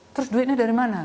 terus duitnya dari mana